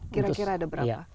kira kira ada berapa